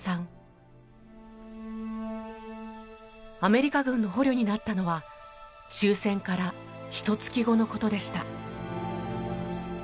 アメリカ軍の捕虜になったのは終戦からひと月後のことでした。